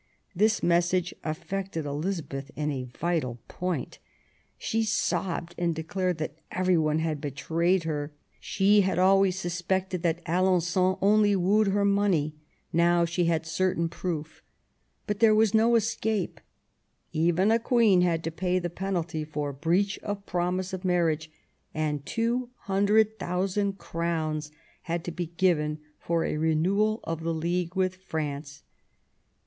This message affected Elizabeth in a vital point. She sobbed and declared that every one had betrayed her. She had always suspected that Alen9on only THE ALBNQON MARRIAGE. 179 wooed her money ; now she had certain proof. But there was no escape. Even a Queen had to pay the penalty for breach of promise of marriage ; and two hundred thousand crowns had to be given for a renewal of the league with France.